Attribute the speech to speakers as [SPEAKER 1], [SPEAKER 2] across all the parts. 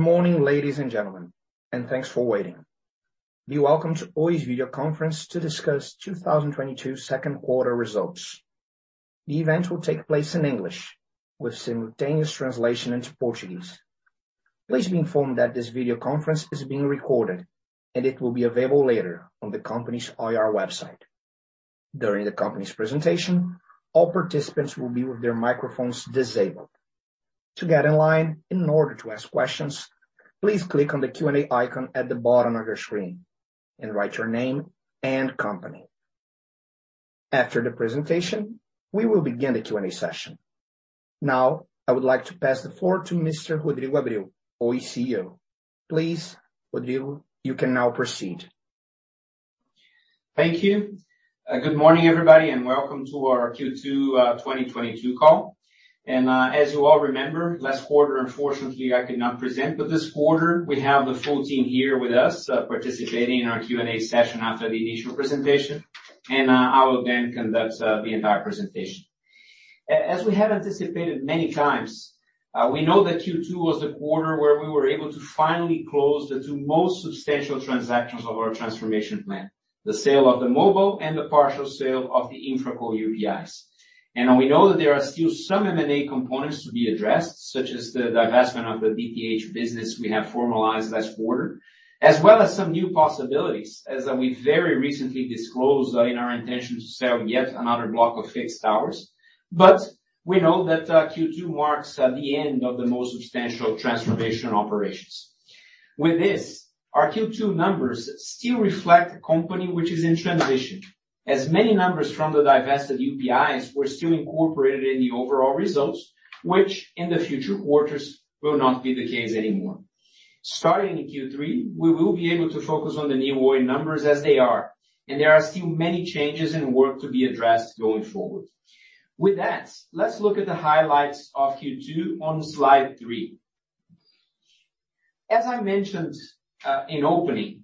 [SPEAKER 1] Good morning, ladies and gentlemen, and thanks for waiting. We welcome you to Oi's video conference to discuss 2022 Q2 results. The event will take place in English with simultaneous translation into Portuguese. Please be informed that this video conference is being recorded, and it will be available later on the company's IR website. During the company's presentation, all participants will be with their microphones disabled. To get in line in order to ask questions, please click on the Q&A icon at the bottom of your screen and write your name and company. After the presentation, we will begin the Q&A session. Now, I would like to pass the floor to Mr. Rodrigo Abreu, Oi CEO. Please, Rodrigo, you can now proceed.
[SPEAKER 2] Thank you. Good morning, everybody, and welcome to our Q2 2022 call. As you all remember, last quarter, unfortunately, I could not present. This quarter, we have the full team here with us, participating in our Q&A session after the initial presentation. I will then conduct the entire presentation. As we have anticipated many times, we know that Q2 was the quarter where we were able to finally close the two most substantial transactions of our transformation plan, the sale of the mobile and the partial sale of the InfraCo UPIs. We know that there are still some M&A components to be addressed, such as the divestment of the DTH business we have formalized last quarter. As well as some new possibilities, as we very recently disclosed, in our intention to sell yet another block of fixed towers. We know that Q2 marks the end of the most substantial transformation operations. With this, our Q2 numbers still reflect a company which is in transition, as many numbers from the divested UPIs were still incorporated in the overall results, which in the future quarters will not be the case anymore. Starting in Q3, we will be able to focus on the new Oi numbers as they are, and there are still many changes and work to be addressed going forward. With that, let's look at the highlights of Q2 on slide three. As I mentioned, in opening,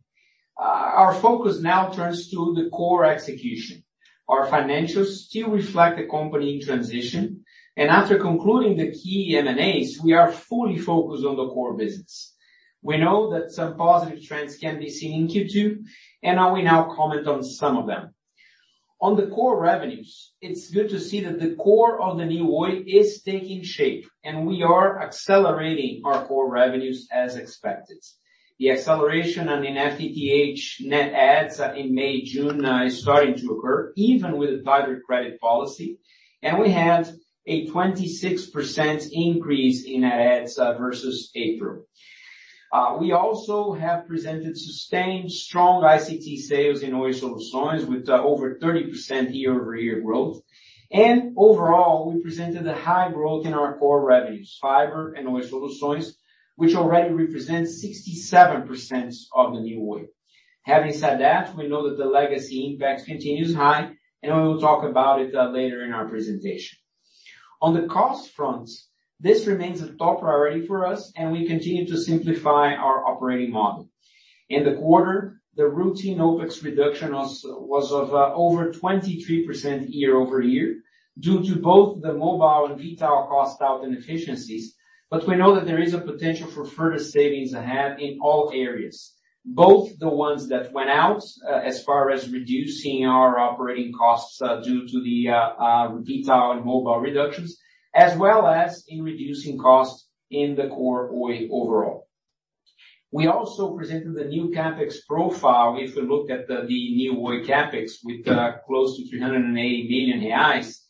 [SPEAKER 2] our focus now turns to the core execution. Our financials still reflect the company in transition, and after concluding the key M&As, we are fully focused on the core business. We know that some positive trends can be seen in Q2, and I will now comment on some of them. On the core revenues, it's good to see that the core of the new Oi is taking shape, and we are accelerating our core revenues as expected. The acceleration in FTTH net adds in May, June is starting to occur even with a tighter credit policy, and we had a 26% increase in net adds versus April. We also have presented sustained strong ICT sales in Oi Soluções with over 30% year-over-year growth. Overall, we presented a high growth in our core revenues, fiber and Oi Soluções, which already represents 67% of the new Oi. Having said that, we know that the legacy impact continues high, and we will talk about it later in our presentation. On the cost front, this remains a top priority for us, and we continue to simplify our operating model. In the quarter, the routine OpEx reduction was of over 23% year-over-year due to both the mobile and V.tal cost out and efficiencies. We know that there is a potential for further savings ahead in all areas. Both the ones that went out as far as reducing our operating costs due to the V.tal and mobile reductions, as well as in reducing costs in the core Oi overall. We also presented the new CapEx profile. If we look at the new Oi CapEx with close to 380 billion reais,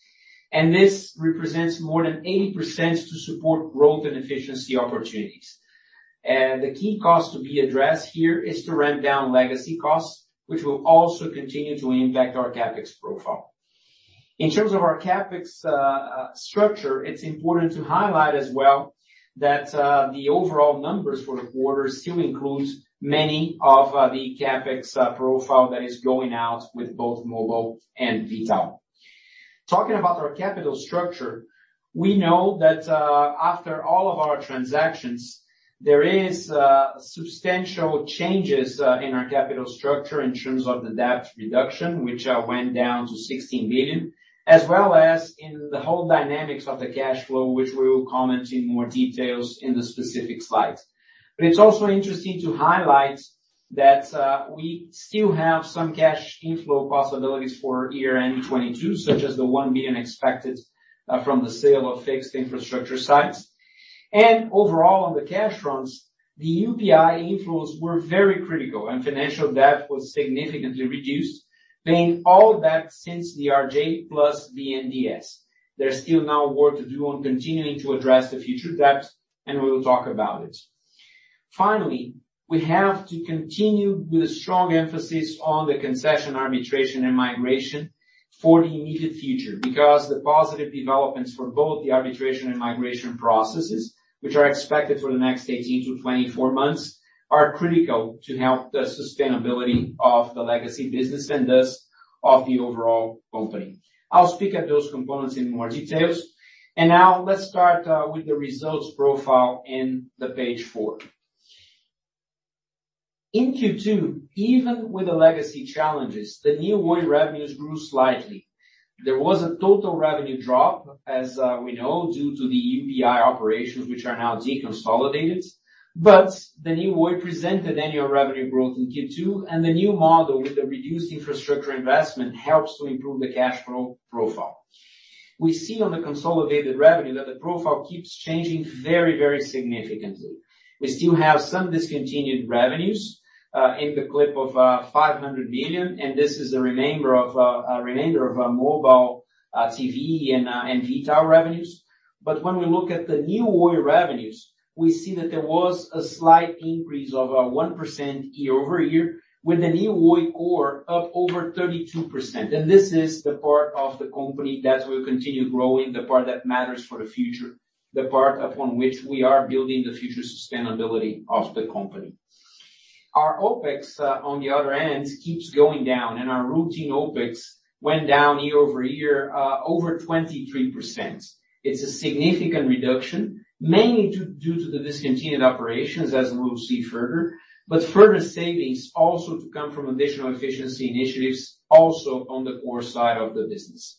[SPEAKER 2] and this represents more than 80% to support growth and efficiency opportunities. The key cost to be addressed here is to ramp down legacy costs, which will also continue to impact our CapEx profile. In terms of our CapEx structure, it's important to highlight as well that the overall numbers for the quarter still includes many of the CapEx profile that is going out with both mobile and V.tal. Talking about our capital structure, we know that, after all of our transactions, there is substantial changes in our capital structure in terms of the debt reduction, which went down to 16 billion, as well as in the whole dynamics of the cash flow, which we will comment in more details in the specific slides. It's also interesting to highlight that we still have some cash inflow possibilities for year-end 2022, such as the 1 billion expected from the sale of fixed infrastructure sites. Overall, on the cash fronts, the UPI inflows were very critical and financial debt was significantly reduced, paying all debt since the RJ plus BNDES. There's still more work to do on continuing to address the future debts, and we will talk about it. Finally, we have to continue with a strong emphasis on the concession arbitration and migration for the immediate future. Because the positive developments for both the arbitration and migration processes, which are expected for the next 18-24 months, are critical to help the sustainability of the legacy business and thus of the overall company. I'll speak at those components in more details. Now let's start with the results profile on page four. In Q2, even with the legacy challenges, the new Oi revenues grew slightly. There was a total revenue drop as we know due to the UPI operations, which are now deconsolidated. But the new Oi presented annual revenue growth in Q2, and the new model with the reduced infrastructure investment helps to improve the cash flow profile. We see on the consolidated revenue that the profile keeps changing very, very significantly. We still have some discontinued revenues in the clip of 500 million, and this is a remainder of our mobile TV and V.tal revenues. When we look at the new Oi revenues, we see that there was a slight increase of 1% year-over-year with the new Oi core up over 32%. This is the part of the company that will continue growing, the part that matters for the future, the part upon which we are building the future sustainability of the company. Our OpEx on the other end keeps going down, and our routine OpEx went down year-over-year over 23%. It's a significant reduction, mainly due to the discontinued operations, as we'll see further. Further savings also to come from additional efficiency initiatives also on the core side of the business.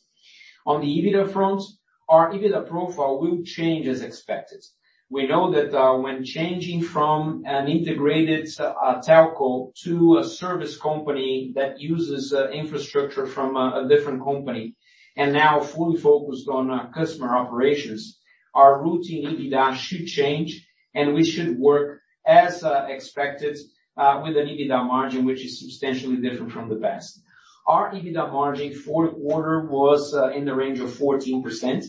[SPEAKER 2] On the EBITDA front, our EBITDA profile will change as expected. We know that when changing from an integrated telco to a service company that uses infrastructure from a different company and now fully focused on our customer operations, our routine EBITDA should change, and we should work as expected with an EBITDA margin, which is substantially different from the past. Our EBITDA margin for quarter was in the range of 14%.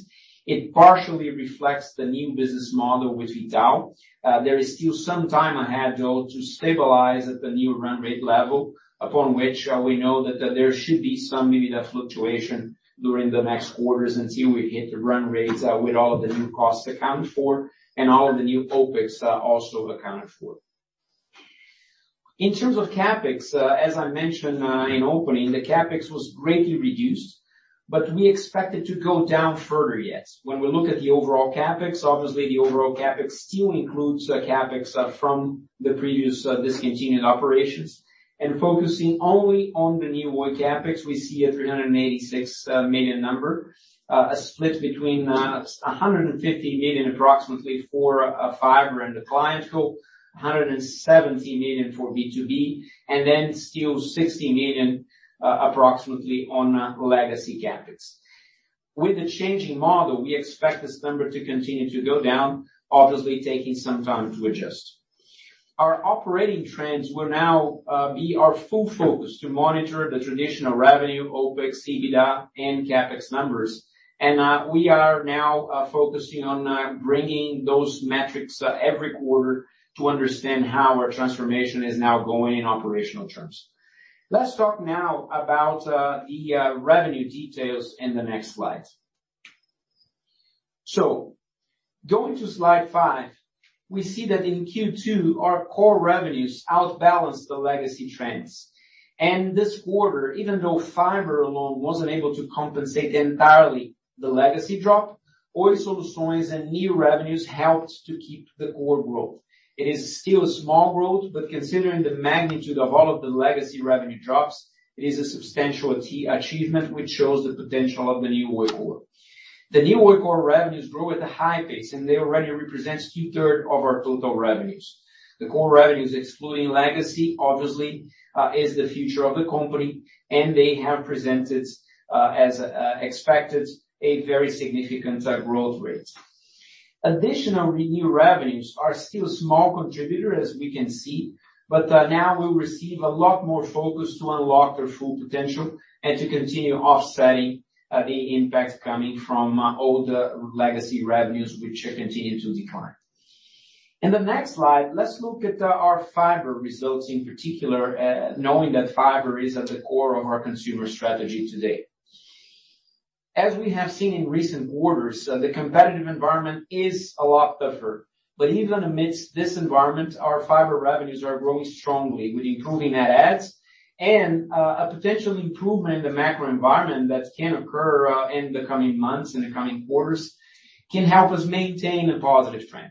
[SPEAKER 2] It partially reflects the new business model with V.tal. There is still some time ahead, though, to stabilize at the new run rate level, upon which, we know that there should be some EBITDA fluctuation during the next quarters until we hit the run rates, with all of the new costs accounted for and all of the new OpEx also accounted for. In terms of CapEx, as I mentioned in opening, the CapEx was greatly reduced, but we expect it to go down further yet. When we look at the overall CapEx, obviously the overall CapEx still includes the CapEx from the previous discontinued operations. Focusing only on the new Oi CapEx, we see a 386 million number. A split between 150 million approximately for fiber and the ClientCo, 170 million for B2B, and then still 60 million approximately on legacy CapEx. With the changing model, we expect this number to continue to go down, obviously taking some time to adjust. Our operating trends will now be our full focus to monitor the traditional revenue, OpEx, EBITDA, and CapEx numbers. We are now focusing on bringing those metrics every quarter to understand how our transformation is now going in operational terms. Let's talk now about the revenue details in the next slides. Going to slide five, we see that in Q2, our core revenues outbalance the legacy trends. This quarter, even though fiber alone wasn't able to compensate entirely the legacy drop, Oi Soluções and new revenues helped to keep the core growth. It is still a small growth, but considering the magnitude of all of the legacy revenue drops, it is a substantial achievement which shows the potential of the new Oi core. The new Oi core revenues grew at a high pace, and they already represents two-thirds of our total revenues. The core revenues, excluding legacy, obviously, is the future of the company, and they have presented, as, expected, a very significant, growth rate. Additional new revenues are still small contributor as we can see, but, now will receive a lot more focus to unlock their full potential and to continue offsetting, the impact coming from, older legacy revenues which are continuing to decline. In the next slide, let's look at our fiber results, in particular, knowing that fiber is at the core of our consumer strategy today. As we have seen in recent quarters, the competitive environment is a lot tougher. But even amidst this environment, our fiber revenues are growing strongly with improving net adds and a potential improvement in the macro environment that can occur in the coming months, in the coming quarters, can help us maintain a positive trend.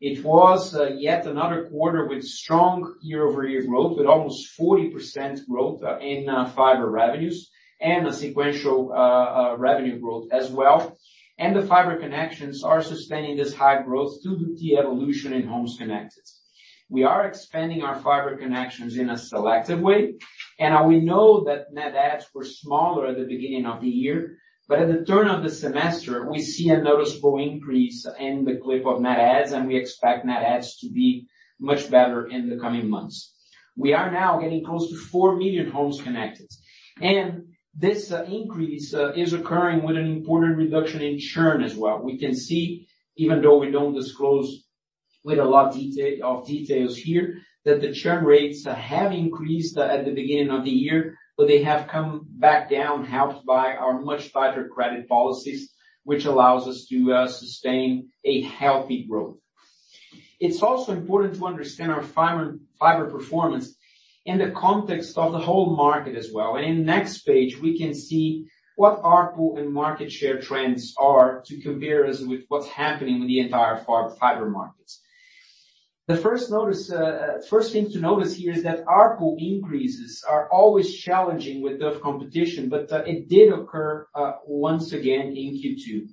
[SPEAKER 2] It was yet another quarter with strong year-over-year growth with almost 40% growth in fiber revenues and a sequential revenue growth as well. The fiber connections are sustaining this high growth due to the evolution in homes connected. We are expanding our fiber connections in a selective way, and we know that net adds were smaller at the beginning of the year. At the turn of the semester, we see a noticeable increase in the clip of net adds, and we expect net adds to be much better in the coming months. We are now getting close to 4 million homes connected, and this increase is occurring with an important reduction in churn as well. We can see, even though we don't disclose with a lot of details here, that the churn rates have increased at the beginning of the year. They have come back down, helped by our much tighter credit policies, which allows us to sustain a healthy growth. It's also important to understand our fiber performance in the context of the whole market as well. In next page, we can see what ARPU and market share trends are to compare us with what's happening with the entire fiber markets. The first thing to notice here is that ARPU increases are always challenging with tough competition, but it did occur once again in Q2.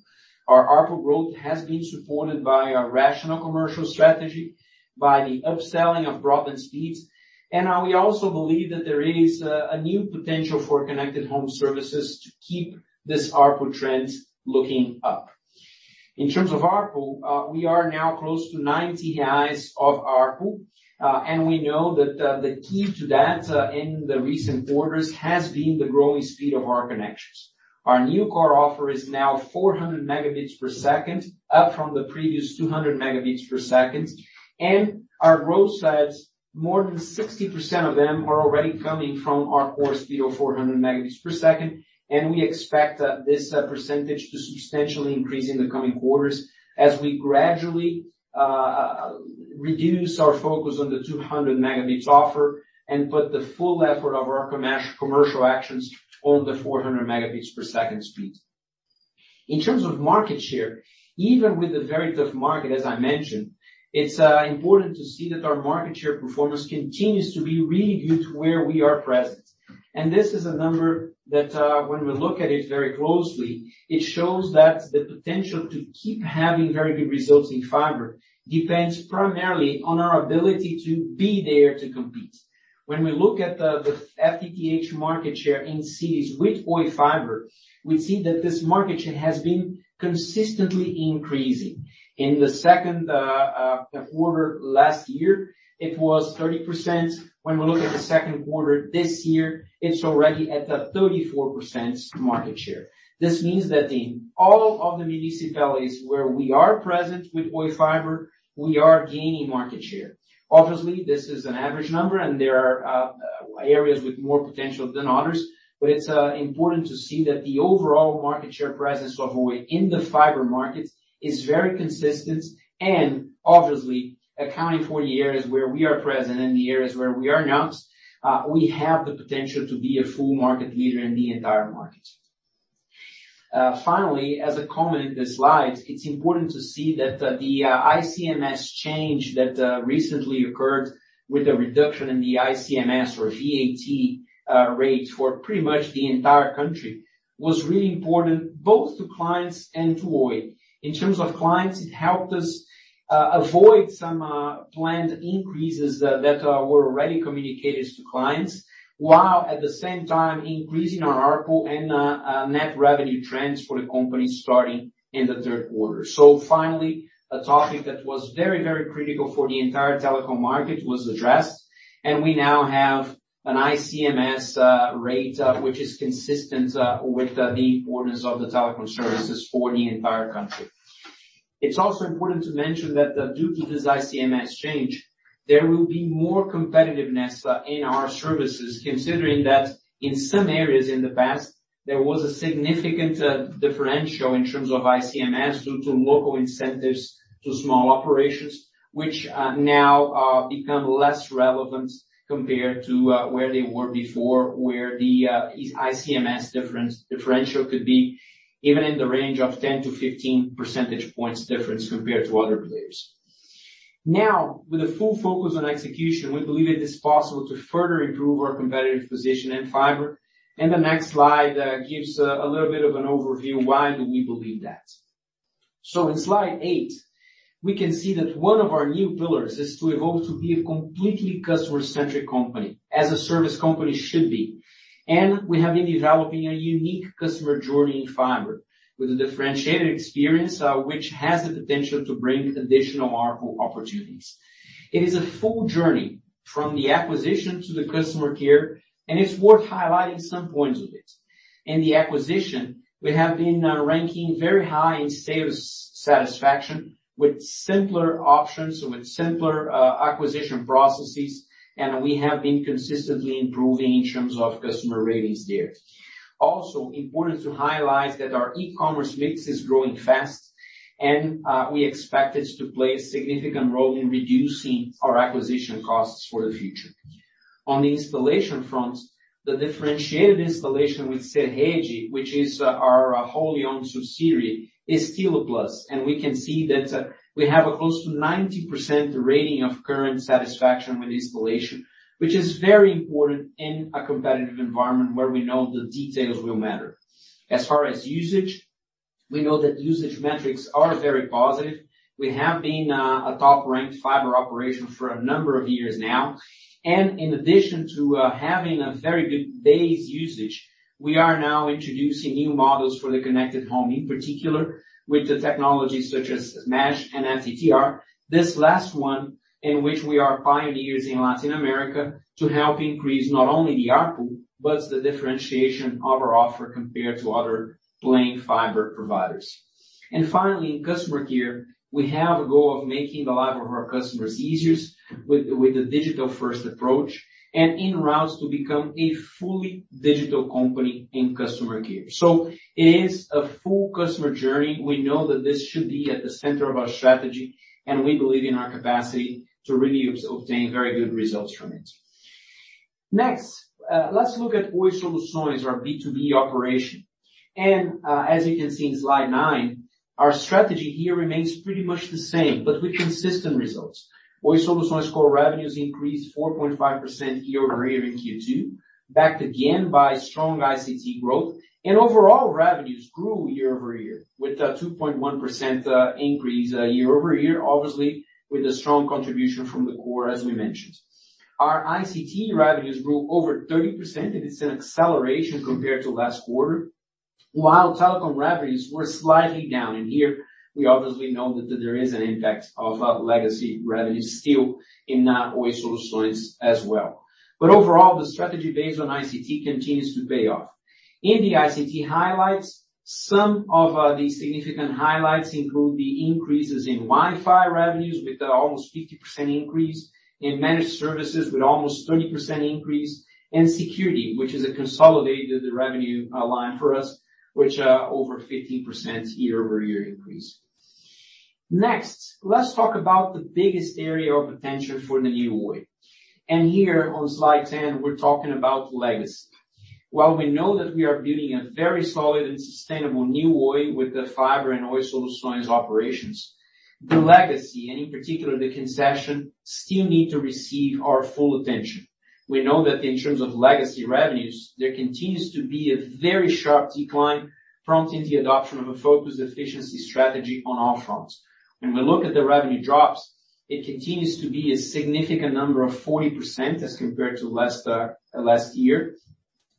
[SPEAKER 2] Our ARPU growth has been supported by our rational commercial strategy by the upselling of broadband speeds. We also believe that there is a new potential for connected home services to keep this ARPU trend looking up. In terms of ARPU, we are now close to 90 reais of ARPU. We know that the key to that in the recent quarters has been the growing speed of our connections. Our new core offer is now 400 Mbps, up from the previous 200 Mbps. Our growth slides, more than 60% of them are already coming from our core speed of 400 Mbps. We expect that this percentage to substantially increase in the coming quarters as we gradually reduce our focus on the 200 Mbps offer and put the full effort of our commercial actions on the 400 Mbps speed. In terms of market share, even with the very tough market, as I mentioned, it's important to see that our market share performance continues to be really good where we are present. This is a number that, when we look at it very closely, it shows that the potential to keep having very good results in fiber depends primarily on our ability to be there to compete. When we look at the FTTH market share in cities with Oi Fibra, we see that this market share has been consistently increasing. In the Q2 last year, it was 30%. When we look at the Q2 this year, it's already at a 34% market share. This means that in all of the municipalities where we are present with Oi Fibra, we are gaining market share. Obviously, this is an average number, and there are areas with more potential than others. It's important to see that the overall market share presence of Oi in the fiber markets is very consistent. Obviously accounting for the areas where we are present and the areas where we are not, we have the potential to be a full market leader in the entire market. Finally, as a comment in the slides, it's important to see that the ICMS change that recently occurred with a reduction in the ICMS or VAT rate for pretty much the entire country was really important both to clients and to Oi. In terms of clients, it helped us avoid some planned increases that were already communicated to clients, while at the same time increasing our ARPU and net revenue trends for the company starting in the Q3. Finally, a topic that was very, very critical for the entire telecom market was addressed, and we now have an ICMS rate, which is consistent with the importance of the telecom services for the entire country. It's also important to mention that, due to this ICMS change, there will be more competitiveness in our services, considering that in some areas in the past, there was a significant differential in terms of ICMS due to local incentives to small operations which, now, become less relevant compared to where they were before, where the ICMS difference could be even in the range of 10-15 percentage points difference compared to other players. Now, with the full focus on execution, we believe it is possible to further improve our competitive position in fiber. The next slide gives a little bit of an overview why do we believe that. In slide eight, we can see that one of our new pillars is to evolve to be a completely customer-centric company, as a service company should be. We have been developing a unique customer journey in fiber with a differentiated experience, which has the potential to bring additional ARPU opportunities. It is a full journey from the acquisition to the customer care, and it's worth highlighting some points of it. In the acquisition, we have been ranking very high in sales satisfaction with simpler options, with simpler acquisition processes, and we have been consistently improving in terms of customer ratings there. Also important to highlight that our e-commerce mix is growing fast, and we expect it to play a significant role in reducing our acquisition costs for the future. On the installation front, the differentiated installation with Serede, which is our wholly-owned subsidiary, is still a plus, and we can see that we have a close to 90% rating of current satisfaction with installation, which is very important in a competitive environment where we know the details will matter. As far as usage, we know that usage metrics are very positive. We have been a top-ranked fiber operation for a number of years now. In addition to having a very good base usage, we are now introducing new models for the connected home, in particular with the technologies such as Mesh and FTTR. This last one, in which we are pioneers in Latin America to help increase not only the ARPU but the differentiation of our offer compared to other plain fiber providers. Finally, in customer care, we have a goal of making the life of our customers easier with the digital-first approach and en route to become a fully digital company in customer care. It is a full customer journey. We know that this should be at the center of our strategy, and we believe in our capacity to really obtain very good results from it. Next, let's look at Oi Soluções, our B2B operation. As you can see in slide nine, our strategy here remains pretty much the same, but with consistent results. Oi Soluções core revenues increased 4.5% year-over-year in Q2, backed again by strong ICT growth. Overall revenues grew year-over-year, with a 2.1% increase year-over-year, obviously with a strong contribution from the core, as we mentioned. Our ICT revenues grew over 30%, and it's an acceleration compared to last quarter, while telecom revenues were slightly down in here. We obviously know that there is an impact of legacy revenues still in our Oi Soluções as well. Overall, the strategy based on ICT continues to pay off. In the ICT highlights, some of the significant highlights include the increases in Wi-Fi revenues with almost 50% increase, in managed services with almost 30% increase, and security, which is a consolidated revenue line for us, which over 15% year-over-year increase. Next, let's talk about the biggest area of attention for the new Oi. Here on slide 10, we're talking about legacy. While we know that we are building a very solid and sustainable new Oi with the fiber and Oi Soluções operations, the legacy, and in particular, the concession, still need to receive our full attention. We know that in terms of legacy revenues, there continues to be a very sharp decline, prompting the adoption of a focused efficiency strategy on all fronts. When we look at the revenue drops, it continues to be a significant number of 40% as compared to last year.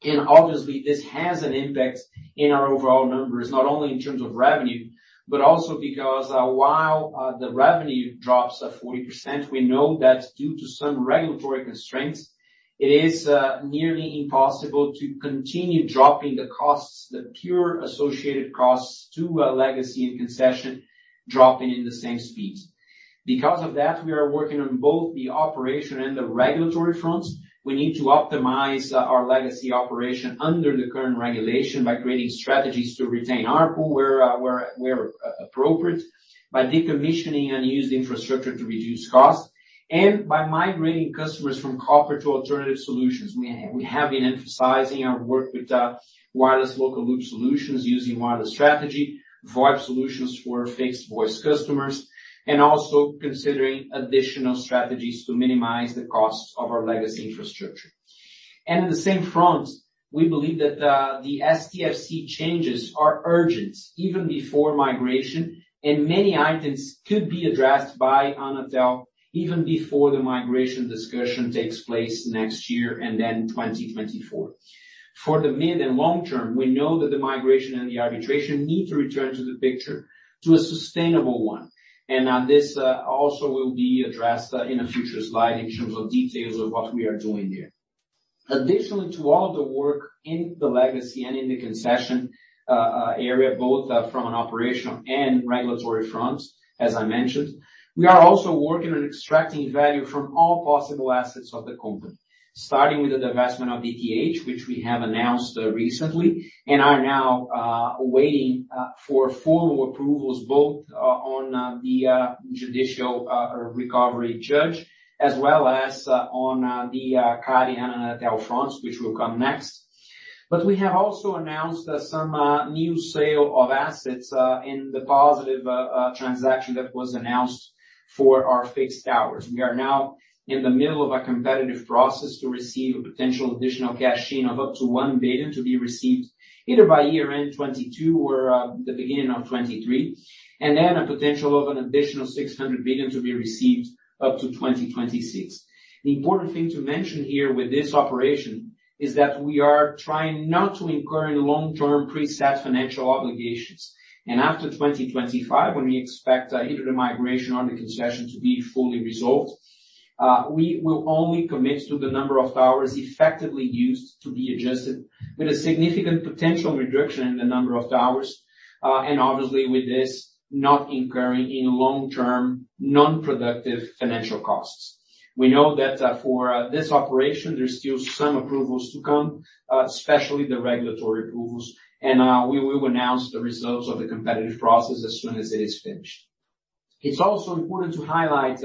[SPEAKER 2] Obviously, this has an impact in our overall numbers, not only in terms of revenue, but also because, while, the revenue drops at 40%, we know that due to some regulatory constraints, it is nearly impossible to continue dropping the costs, the pure associated costs to a legacy and concession dropping in the same speeds. Because of that, we are working on both the operation and the regulatory fronts. We need to optimize our legacy operation under the current regulation by creating strategies to retain ARPU where appropriate, by decommissioning unused infrastructure to reduce costs, and by migrating customers from copper to alternative solutions. We have been emphasizing our work with wireless local loop solutions using wireless strategy, VoIP solutions for fixed voice customers, and also considering additional strategies to minimize the costs of our legacy infrastructure. In the same front, we believe that the STFC changes are urgent even before migration, and many items could be addressed by Anatel even before the migration discussion takes place next year and then 2024. For the mid and long term, we know that the migration and the arbitration need to return to the picture, to a sustainable one. This also will be addressed in a future slide in terms of details of what we are doing here. Additionally to all the work in the legacy and in the concession area, both from an operational and regulatory fronts, as I mentioned, we are also working on extracting value from all possible assets of the company. Starting with the divestment of DTH, which we have announced recently and are now waiting for formal approvals both on the judicial recovery judge, as well as on the CADE and Anatel fronts, which will come next. We have also announced some new sale of assets in the positive transaction that was announced for our fixed towers. We are now in the middle of a competitive process to receive a potential additional cash gain of up to 1 billion to be received either by year-end 2022 or the beginning of 2023, and then a potential of an additional 600 million to be received up to 2026. The important thing to mention here with this operation is that we are trying not to incur any long-term preset financial obligations. After 2025, when we expect either the migration or the concession to be fully resolved, we will only commit to the number of towers effectively used to be adjusted with a significant potential reduction in the number of towers. And obviously, with this, not incurring any long-term non-productive financial costs. We know that for this operation, there's still some approvals to come, especially the regulatory approvals. We will announce the results of the competitive process as soon as it is finished. It's also important to highlight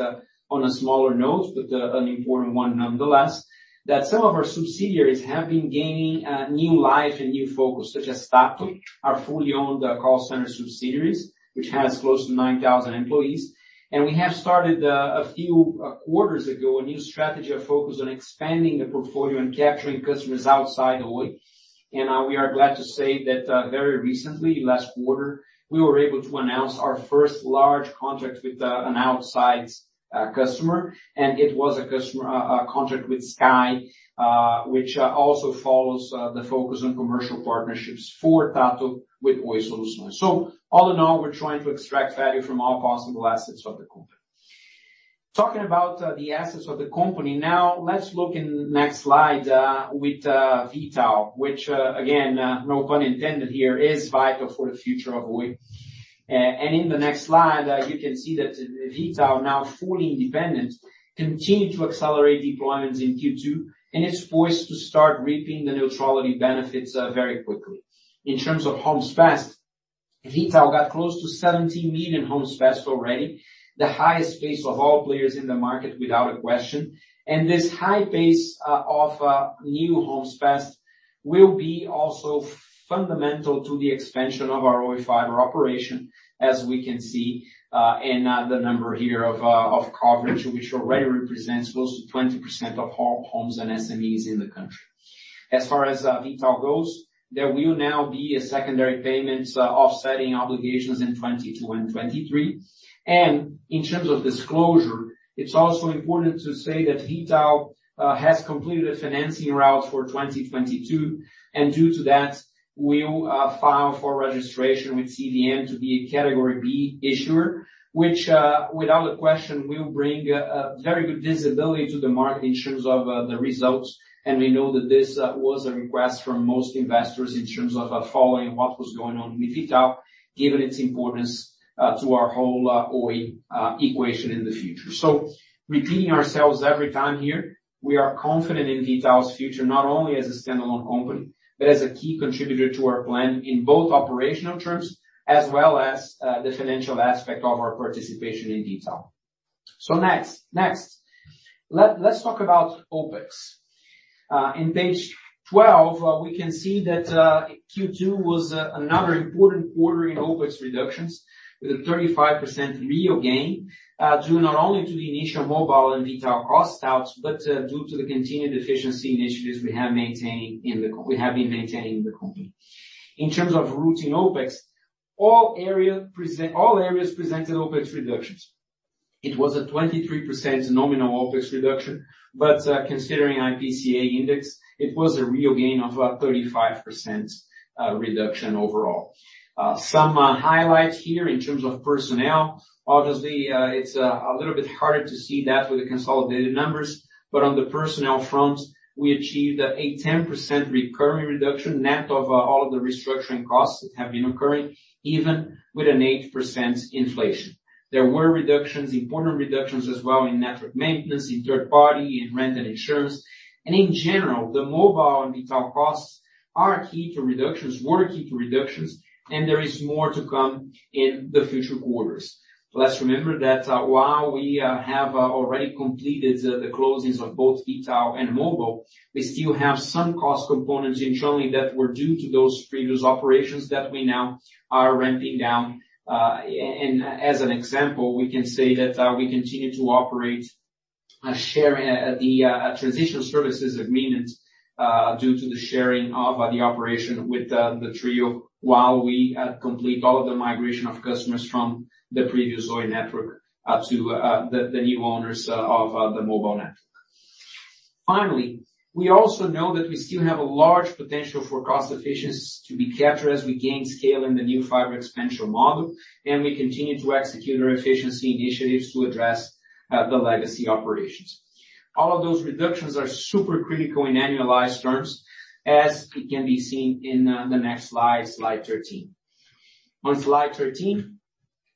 [SPEAKER 2] on a smaller note, but an important one nonetheless, that some of our subsidiaries have been gaining new life and new focus, such as Tahto, our wholly-owned call center subsidiary, which has close to 9,000 employees. We have started a few quarters ago a new strategy of focus on expanding the portfolio and capturing customers outside Oi. We are glad to say that very recently, last quarter, we were able to announce our first large contract with an outside customer. It was a contract with Sky, which also follows the focus on commercial partnerships for Tahto with Oi Soluções. All in all, we're trying to extract value from all possible assets of the company. Talking about the assets of the company, now let's look in next slide with V.tal, which again no pun intended here, is vital for the future of Oi. In the next slide, you can see that V.tal, now fully independent, continue to accelerate deployments in Q2, and it's poised to start reaping the neutrality benefits, very quickly. In terms of homes passed, V.tal got close to 70 million homes passed already, the highest pace of all players in the market without a question. This high pace of new homes passed will be also fundamental to the expansion of our Oi Fibra operation, as we can see, in the number here of coverage, which already represents close to 20% of all homes and SMEs in the country. As far as V.tal goes, there will now be a secondary payment, offsetting obligations in 2022 and 2023. In terms of disclosure, it's also important to say that V.tal has completed a financing route for 2022, and due to that will file for registration with CVM to be a category B issuer. Which without a question will bring a very good visibility to the market in terms of the results. We know that this was a request from most investors in terms of following what was going on with V.tal, given its importance to our whole Oi equation in the future. Repeating ourselves every time here, we are confident in V.tal's future, not only as a standalone company, but as a key contributor to our plan in both operational terms as well as the financial aspect of our participation in V.tal. Next, let's talk about OpEx. In page 12, we can see that Q2 was another important quarter in OpEx reductions with a 35% real gain, due not only to the initial Mobile and V.tal cost outs, but due to the continued efficiency initiatives we have been maintaining in the company. In terms of routine OpEx, all areas presented OpEx reductions. It was a 23% nominal OpEx reduction, but considering IPCA index, it was a real gain of 35% reduction overall. Some highlights here in terms of personnel. Obviously, it's a little bit harder to see that with the consolidated numbers, but on the personnel front, we achieved a 10% recurring reduction, net of all of the restructuring costs that have been occurring, even with an 8% inflation. There were reductions, important reductions as well in network maintenance, in third party, in rent and insurance. In general, the Mobile and V.tal costs were key to reductions, and there is more to come in the future quarters. Let's remember that while we have already completed the closings of both V.tal and Mobile, we still have some cost components in journaling that were due to those previous operations that we now are ramping down. As an example, we can say that we continue to operate the transition services agreements due to the sharing of the operation with the trio while we complete all of the migration of customers from the previous Oi network to the new owners of the Mobile network. Finally, we also know that we still have a large potential for cost efficiencies to be captured as we gain scale in the new fiber expansion model, and we continue to execute our efficiency initiatives to address the legacy operations. All of those reductions are super critical in annualized terms, as it can be seen in the next slide 13. On slide 13,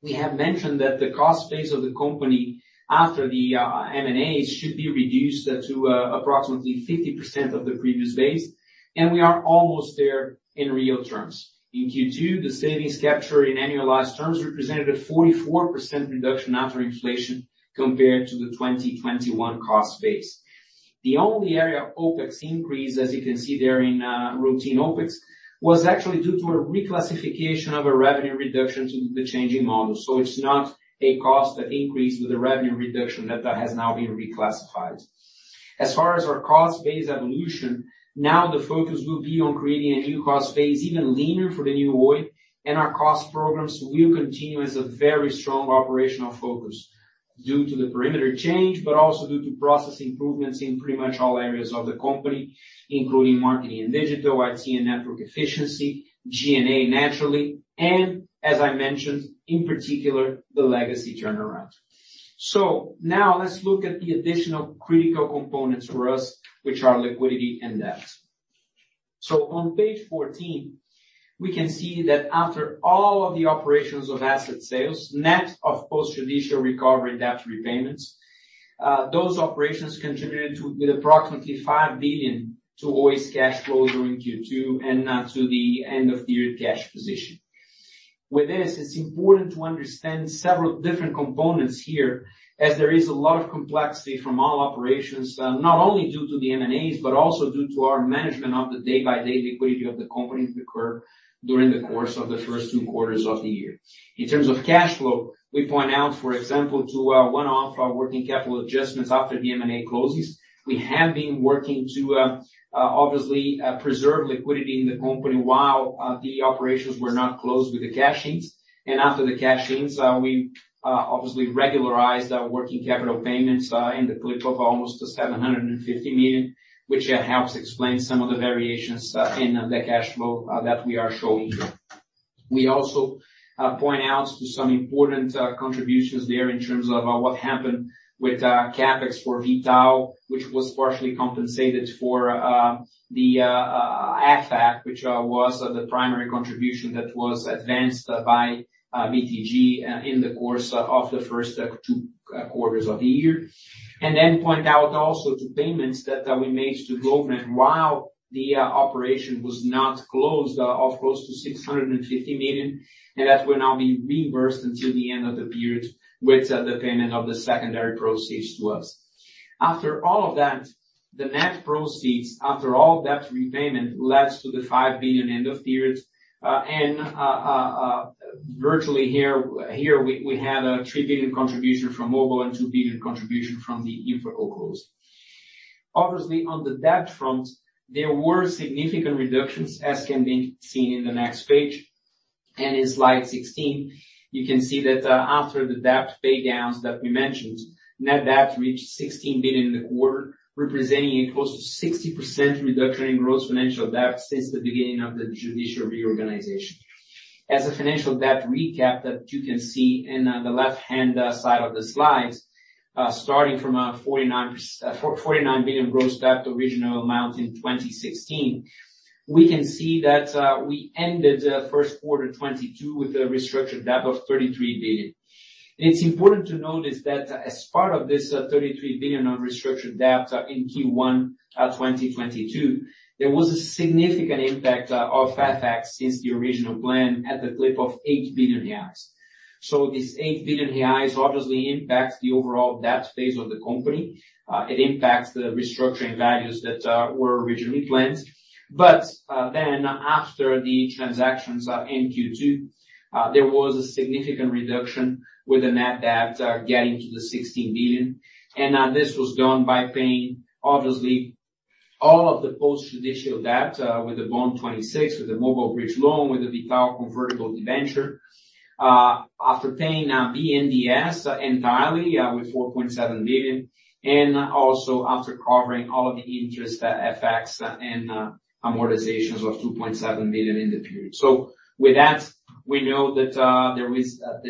[SPEAKER 2] we have mentioned that the cost base of the company after the M&As should be reduced to approximately 50% of the previous base, and we are almost there in real terms. In Q2, the savings captured in annualized terms represented a 44% reduction after inflation compared to the 2021 cost base. The only area OpEx increase, as you can see there in routine OpEx, was actually due to a reclassification of a revenue reduction to the changing model. It's not a cost that increased with a revenue reduction that has now been reclassified. As far as our cost base evolution, now the focus will be on creating a new cost base, even leaner for the new Oi, and our cost programs will continue as a very strong operational focus due to the perimeter change. Also due to process improvements in pretty much all areas of the company, including marketing and digital, IT and network efficiency, G&A naturally, and as I mentioned, in particular, the legacy turnaround. Now let's look at the additional critical components for us, which are liquidity and debt. On page fourteen, we can see that after all of the operations of asset sales, net of post-judicial recovery debt repayments, those operations contributed with approximately 5 billion to Oi's cash flow during Q2 and to the end-of-year cash position. With this, it's important to understand several different components here as there is a lot of complexity from all operations. Not only due to the M&As, but also due to our management of the day-by-day liquidity of the company that occurred during the course of the first two quarters of the year. In terms of cash flow, we point out, for example, one-off working capital adjustments after the M&A closes. We have been working to obviously preserve liquidity in the company while the operations were not closed with the cash-ins. After the cash-ins, we obviously regularized working capital payments in the clip of almost 750 million, which helps explain some of the variations in the cash flow that we are showing here. We also point out to some important contributions there in terms of what happened with CapEx for V.tal, which was partially compensated for the AFAC, which was the primary contribution that was advanced by V.tal in the course of the first two quarters of the year. Point out also to payments that we made to government while the operation was not closed of close to 650 million. That will now be reimbursed until the end of the period with the payment of the secondary proceeds to us. After all of that, the net proceeds, after all debt repayment, leads to the 5 billion end of period. Virtually here we had a 3 billion contribution from mobile and 2 billion contribution from the InfraCo's. Obviously, on the debt front, there were significant reductions, as can be seen in the next page. In slide 16, you can see that, after the debt pay downs that we mentioned, net debt reached 16 billion in the quarter, representing a close to 60% reduction in gross financial debt since the beginning of the judicial reorganization. As a financial debt recap that you can see in the left-hand side of the slides, starting from a 49%... 449 billion gross debt original amount in 2016, we can see that, we ended Q1 2022 with a restructured debt of 33 billion. It's important to notice that as part of this, 33 billion on restructured debt, in Q1 2022, there was a significant impact of CapEx since the original plan at a clip of 8 billion reais. This 8 billion reais obviously impacts the overall debt phase of the company. It impacts the restructuring values that were originally planned. After the transactions in Q2, there was a significant reduction with the net debt getting to 16 billion. This was done by paying obviously all of the post-judicial debt with the Bond 2026, with the mobile bridge loan, with the V.tal convertible debenture. After paying BNDES entirely with 4.7 billion, and also after covering all of the interest effects and amortizations of 2.7 billion in the period. With that, we know that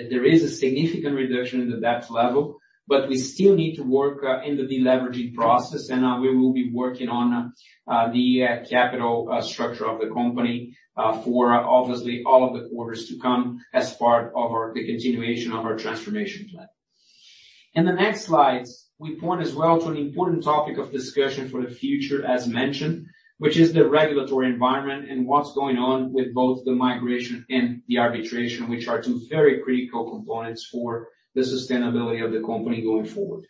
[SPEAKER 2] there is a significant reduction in the debt level, but we still need to work in the de-leveraging process. We will be working on the capital structure of the company for obviously all of the quarters to come as part of the continuation of our transformation plan. In the next slides, we point as well to an important topic of discussion for the future as mentioned, which is the regulatory environment and what's going on with both the migration and the arbitration, which are two very critical components for the sustainability of the company going forward.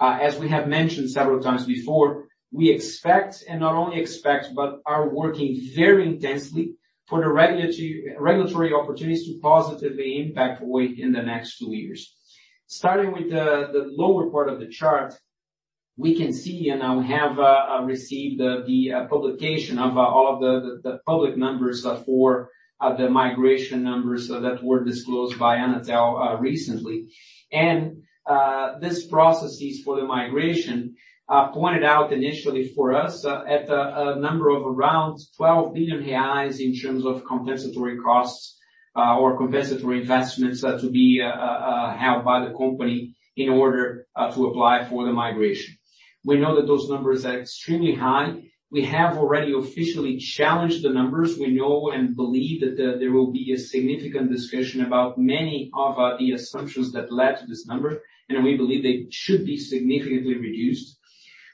[SPEAKER 2] As we have mentioned several times before, we expect, and not only expect, but are working very intensely for the regulatory opportunities to positively impact Oi in the next two years. Starting with the lower part of the chart, we can see, and now we have received the publication of all of the public numbers for the migration numbers that were disclosed by Anatel recently. These processes for the migration pointed out initially for us at a number of around 12 billion reais in terms of compensatory costs or compensatory investments to be held by the company in order to apply for the migration. We know that those numbers are extremely high. We have already officially challenged the numbers. We know and believe that there will be a significant discussion about many of the assumptions that led to this number, and we believe they should be significantly reduced.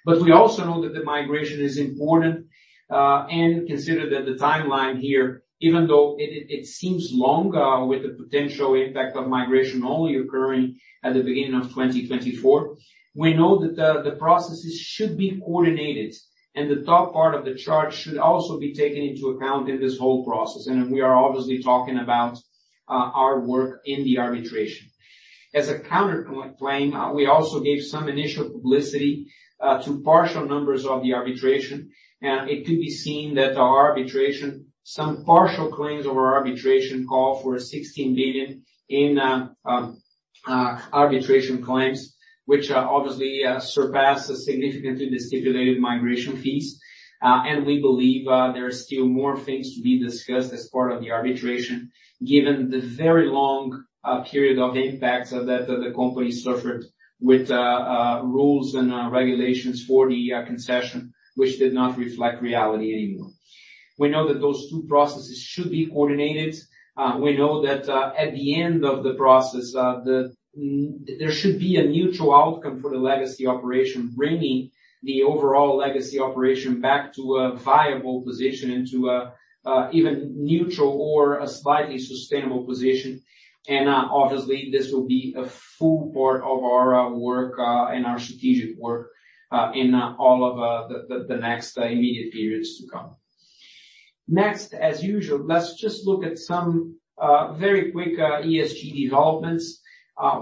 [SPEAKER 2] We also know that the migration is important, and consider that the timeline here, even though it seems long, with the potential impact of migration only occurring at the beginning of 2024, we know that the processes should be coordinated, and the top part of the chart should also be taken into account in this whole process. We are obviously talking about our work in the arbitration. As a counterclaim, we also gave some initial publicity to partial numbers of the arbitration. It could be seen that our arbitration, some partial claims of our arbitration call for 16 billion in arbitration claims, which obviously surpass the significantly stipulated migration fees. We believe there are still more things to be discussed as part of the arbitration, given the very long period of impact that the company suffered with rules and regulations for the concession, which did not reflect reality anymore. We know that those two processes should be coordinated. We know that at the end of the process, there should be a mutual outcome for the legacy operation, bringing the overall legacy operation back to a viable position, into an even neutral or a slightly sustainable position. Obviously, this will be a full part of our work and our strategic work in all of the next immediate periods to come. Next, as usual, let's just look at some very quick ESG developments.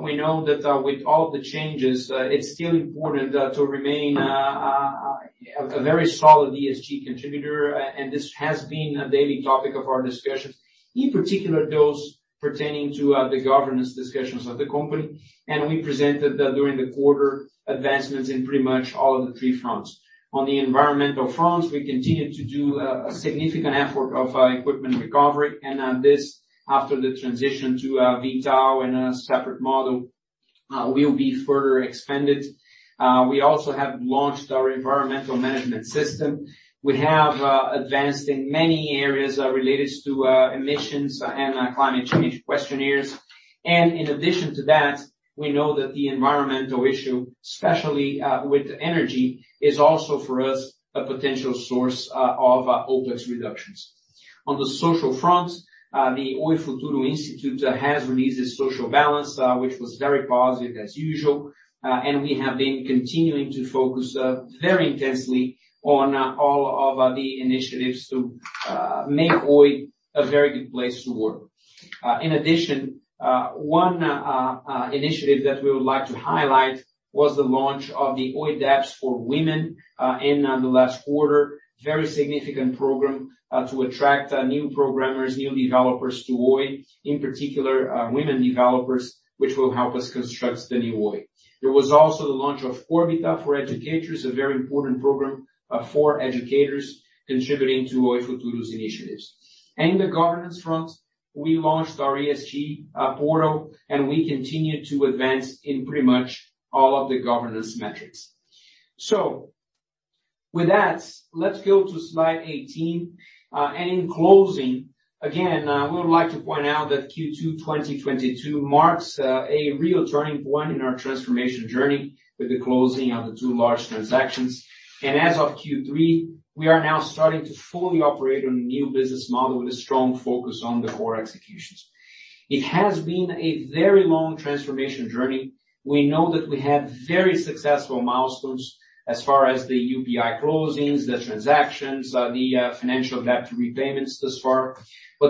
[SPEAKER 2] We know that with all the changes it's still important to remain a very solid ESG contributor. This has been a daily topic of our discussions, in particular those pertaining to the governance discussions of the company. We presented during the quarter advancements in pretty much all of the three fronts. On the environmental fronts, we continued to do a significant effort of equipment recovery. This after the transition to V.tal and a separate model will be further expanded. We also have launched our environmental management system. We have advanced in many areas related to emissions and climate change questionnaires. In addition to that, we know that the environmental issue, especially with energy, is also for us a potential source of OpEx reductions. On the social front, the Oi Futuro Institute has released a social balance, which was very positive as usual. We have been continuing to focus very intensely on all of the initiatives to make Oi a very good place to work. One initiative that we would like to highlight was the launch of the Oi Abre Portas para Mulheres in the last quarter. Very significant program to attract new programmers, new developers to Oi, in particular, women developers, which will help us construct the new Oi. There was also the launch of Órbita para Educadores, a very important program for educators contributing to Oi Futuro's initiatives. In the governance front, we launched our ESG portal, and we continued to advance in pretty much all of the governance metrics. With that, let's go to slide 18. In closing, again, we would like to point out that Q2 2022 marks a real turning point in our transformation journey with the closing of the two large transactions. As of Q3, we are now starting to fully operate on a new business model with a strong focus on the core executions. It has been a very long transformation journey. We know that we had very successful milestones as far as the UPI closings, the transactions, financial debt repayments thus far.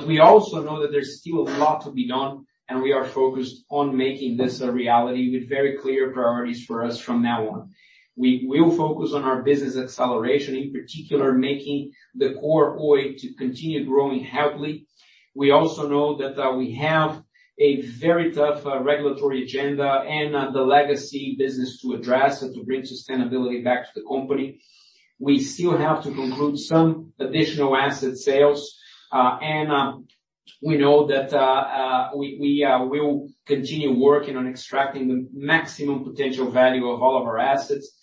[SPEAKER 2] We also know that there's still a lot to be done, and we are focused on making this a reality with very clear priorities for us from now on. We will focus on our business acceleration, in particular, making the core Oi to continue growing healthily. We also know that we have a very tough regulatory agenda and the legacy business to address and to bring sustainability back to the company. We still have to conclude some additional asset sales. We know that we will continue working on extracting the maximum potential value of all of our assets.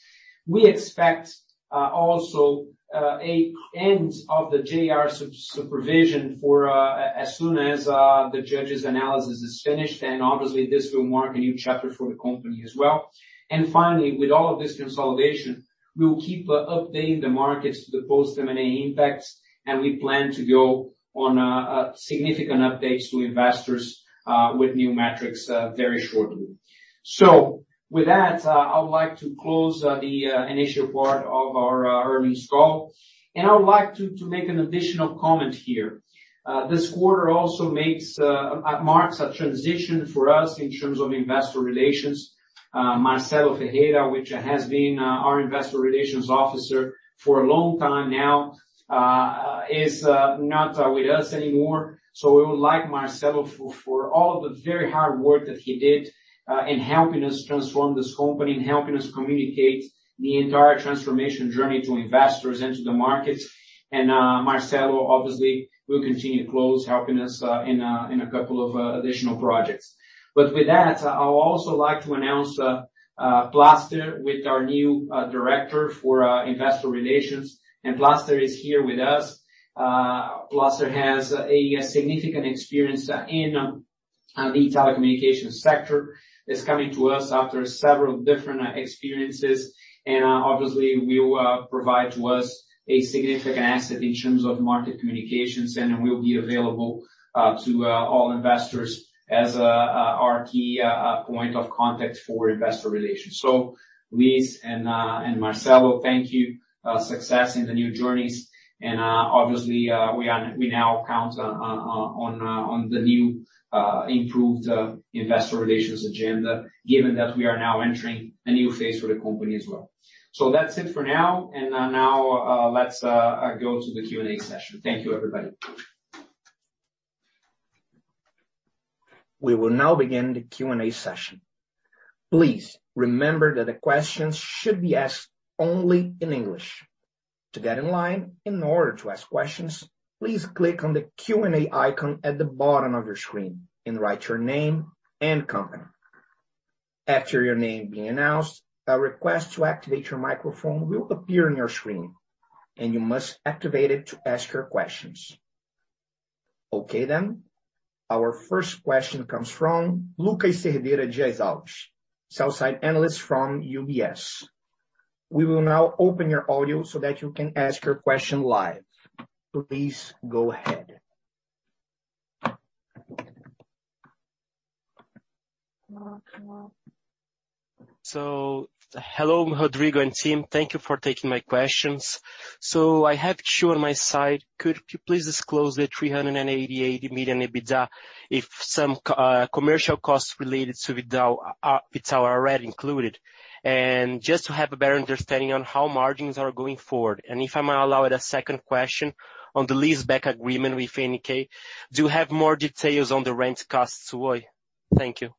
[SPEAKER 2] We expect also an end of the JR supervision as soon as the judge's analysis is finished, and obviously, this will mark a new chapter for the company as well. Finally, with all of this consolidation, we will keep updating the markets to the post-M&A impacts, and we plan to go on with significant updates to investors with new metrics very shortly. With that, I would like to close the initial part of our earnings call. I would like to make an additional comment here. This quarter also marks a transition for us in terms of investor relations. Marcelo Ferreira, which has been our Investor Relations Officer for a long time now, is not with us anymore. We would like Marcelo for all the very hard work that he did in helping us transform this company and helping us communicate the entire transformation journey to investors and to the markets. Marcelo obviously will continue closely helping us in a couple of additional projects. With that, I'd like to announce Luís Plaster as our new Investor Relations Director. Luís Plaster is here with us. Luís Plaster has a significant experience in the telecommunications sector. He is coming to us after several different experiences. Obviously, he will provide to us a significant asset in terms of market communications. Then he will be available to all investors as our key point of contact for investor relations. Luiz and Marcelo, thank you. Success in the new journeys. Obviously, we now count on the new, improved investor relations agenda, given that we are now entering a new phase for the company as well. That's it for now. Now, let's go to the Q&A session. Thank you, everybody.
[SPEAKER 1] We will now begin the Q&A session. Please remember that the questions should be asked only in English. To get in line, in order to ask questions, please click on the Q&A icon at the bottom of your screen and write your name and company. After your name being announced, a request to activate your microphone will appear on your screen, and you must activate it to ask your questions. Okay, then. Our first question comes from Lucas Ferreira de Azevedo, Sell-side Analyst from UBS. We will now open your audio so that you can ask your question live. Please go ahead.
[SPEAKER 3] Hello, Rodrigo Abreu and team. Thank you for taking my questions. I have two on my side. Could you please disclose the 380 million EBITDA if some commercial costs related to V.tal, it's already included? And just to have a better understanding on how margins are going forward. And if I'm allowed a second question on the leaseback agreement with V.tal, do you have more details on the rent costs to Oi? Thank you.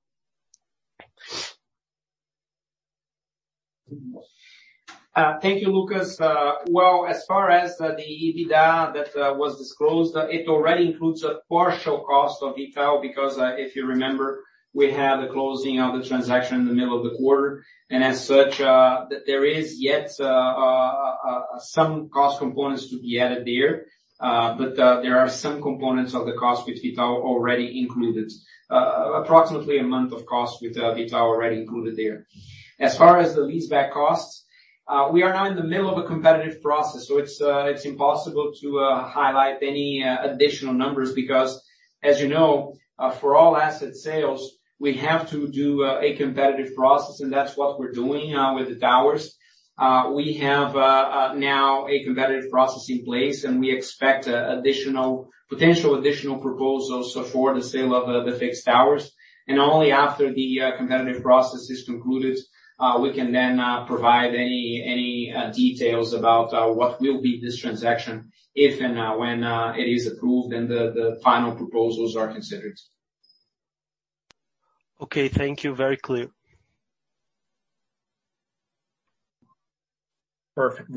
[SPEAKER 2] Thank you, Lucas Ferreira. Well, as far as the EBITDA that was disclosed, it already includes a partial cost of V.tal because, if you remember, we had the closing of the transaction in the middle of the quarter. As such, there is yet some cost components to be added there. There are some components of the cost with V.tal already included. Approximately a month of cost with V.tal already included there. As far as the leaseback costs, we are now in the middle of a competitive process, so it's impossible to highlight any additional numbers because as you know, for all asset sales, we have to do a competitive process, and that's what we're doing with the towers. We have now a competitive process in place, and we expect additional potential proposals for the sale of the fixed towers. Only after the competitive process is concluded, we can then provide any details about what will be this transaction if and when it is approved and the final proposals are considered.
[SPEAKER 3] Okay. Thank you. Very clear.
[SPEAKER 1] Perfect.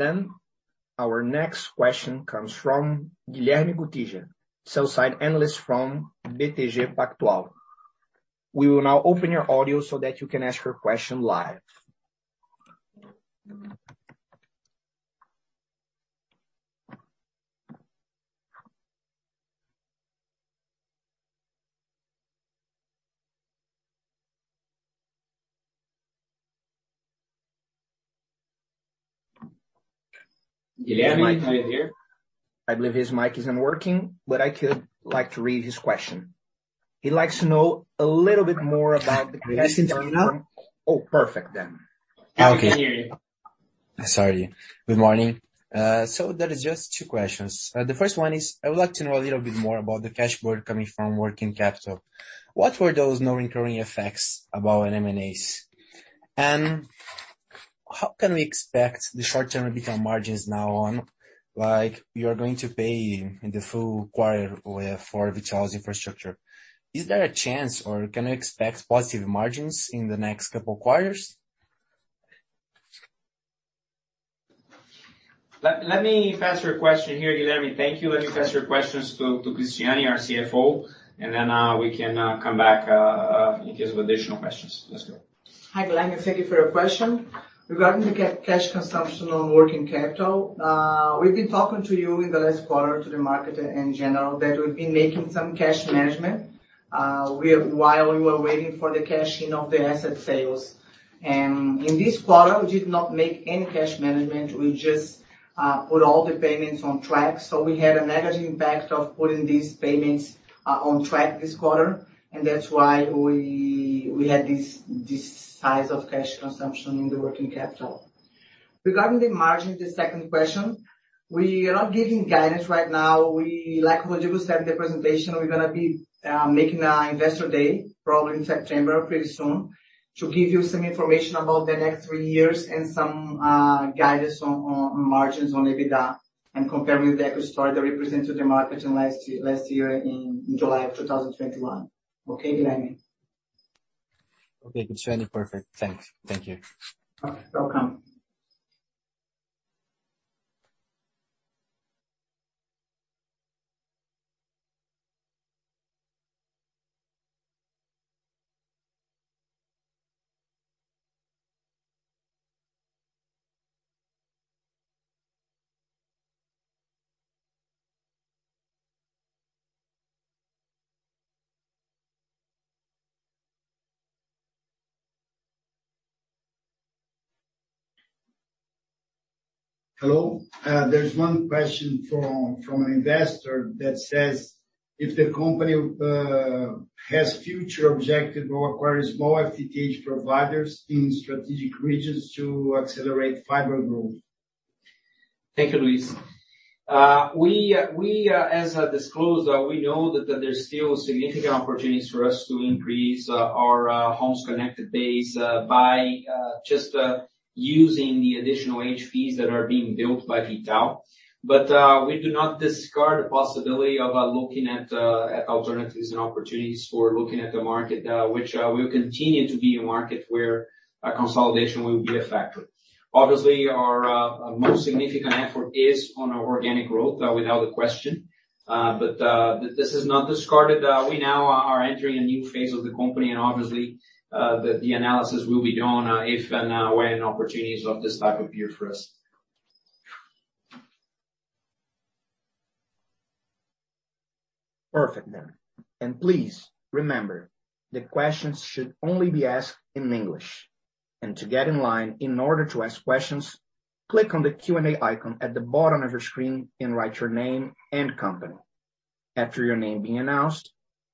[SPEAKER 1] Our next question comes from Guilherme Gutierrez, Sell-side Analyst from BTG Pactual. We will now open your audio so that you can ask your question live.
[SPEAKER 2] Guilherme, can you hear?
[SPEAKER 1] I believe his mic isn't working, but I would like to read his question. He would like to know a little bit more about the
[SPEAKER 4] Can you hear me now?
[SPEAKER 1] Oh, perfect then.
[SPEAKER 2] Now we can hear you.
[SPEAKER 4] Sorry. Good morning. There is just two questions. The first one is, I would like to know a little bit more about the cash burn coming from working capital. What were those non-recurring effects about M&As? And how can we expect the short-term EBITDA margins now on, like you're going to pay in the full quarter for V.tal's infrastructure. Is there a chance, or can we expect positive margins in the next couple quarters?
[SPEAKER 2] Let me pass your question here, Guilherme. Thank you. Let me pass your questions to Cristiane, our CFO, and then we can come back in case of additional questions. Let's go.
[SPEAKER 5] Hi, Guilherme. Thank you for your question. Regarding the cash consumption on working capital, we've been talking to you in the last quarter to the market in general that we've been making some cash management while we were waiting for the cash from the asset sales. In this quarter, we did not make any cash management. We just put all the payments on track. We had a negative impact of putting these payments on track this quarter, and that's why we had this size of cash consumption in the working capital. Regarding the margin, the second question, we are not giving guidance right now. Like Rodrigo said in the presentation, we're gonna be making a investor day probably in September, pretty soon, to give you some information about the next three years and some guidance on margins on EBITDA and compare with the equity story that we presented to the market in last year in July of 2021. Okay, Guilherme?
[SPEAKER 4] Okay, Cristiane. Perfect. Thanks. Thank you.
[SPEAKER 5] You're welcome.
[SPEAKER 6] Hello. There's one question from an investor that says, "If the company has future objective or acquires more FTTH providers in strategic regions to accelerate fiber growth?
[SPEAKER 2] Thank you, Luís. As disclosed, we know that there's still significant opportunities for us to increase our homes connected base by just using the additional HPs that are being built by V.tal. We do not discard the possibility of looking at alternatives and opportunities for looking at the market, which will continue to be a market where a consolidation will be a factor. Obviously, our most significant effort is on our organic growth without a question. This is not discarded. We now are entering a new phase of the company and obviously, the analysis will be done if and when opportunities of this type appear for us.
[SPEAKER 1] Perfect. Please remember that questions should only be asked in English. To get in line in order to ask questions, click on the Q&A icon at the bottom of your screen and write your name and company. After your name being announced,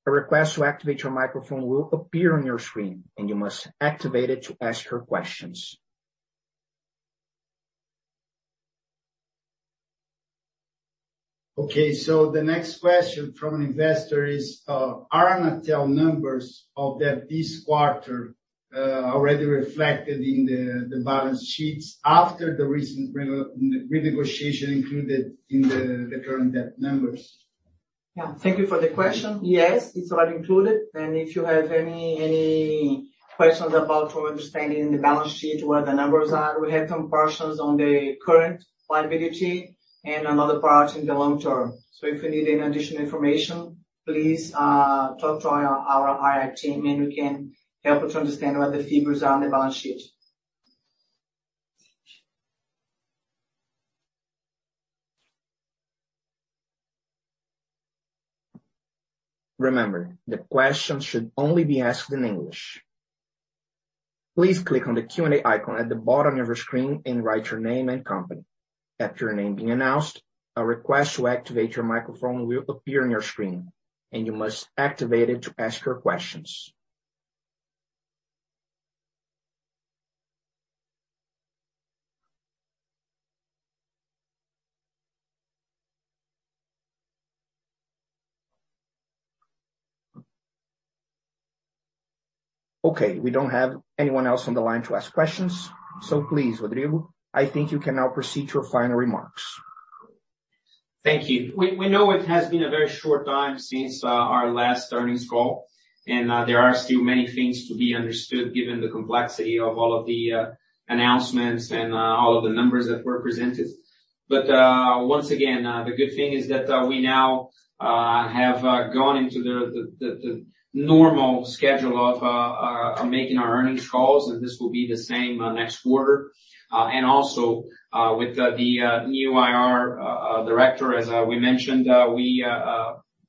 [SPEAKER 1] a request to activate your microphone will appear on your screen, and you must activate it to ask your questions.
[SPEAKER 6] Okay, the next question from an investor is, "Are Anatel numbers of this quarter already reflected in the balance sheets after the recent renegotiation included in the current debt numbers?
[SPEAKER 5] Yeah. Thank you for the question. Yes, it's already included. If you have any questions about for understanding the balance sheet, where the numbers are, we have some portions on the current liability and another part in the long term. If you need any additional information, please, talk to our IR team, and we can help you to understand what the figures are on the balance sheet.
[SPEAKER 1] Remember, the questions should only be asked in English. Please click on the Q&A icon at the bottom of your screen and write your name and company. After your name being announced, a request to activate your microphone will appear on your screen, and you must activate it to ask your questions. Okay, we don't have anyone else on the line to ask questions, so please, Rodrigo, I think you can now proceed to your final remarks.
[SPEAKER 2] Thank you. We know it has been a very short time since our last earnings call, and there are still many things to be understood given the complexity of all of the announcements and all of the numbers that were presented. Once again, the good thing is that we now have gone into the normal schedule of making our earnings calls, and this will be the same next quarter. With the new IR director, as we mentioned, we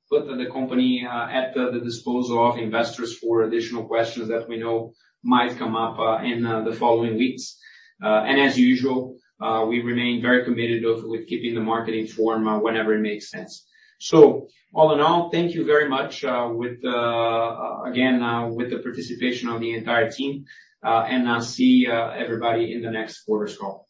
[SPEAKER 2] put the company at the disposal of investors for additional questions that we know might come up in the following weeks. As usual, we remain very committed to keeping the market informed whenever it makes sense. All in all, thank you very much, again, with the participation of the entire team, and I'll see everybody in the next quarter's call.